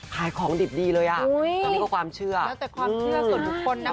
ขายของดิบดีเลยอ่ะอันนี้ก็ความเชื่อแล้วแต่ความเชื่อส่วนบุคคลนะ